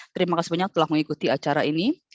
terima kasih banyak telah mengikuti acara ini